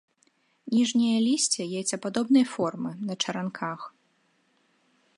Ніжняе лісце яйцападобнай формы, на чаранках.